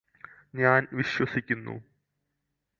ഞാന് വിശ്വസിക്കുന്നു